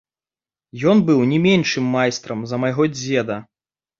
Ён быў не меншым майстрам за майго дзеда.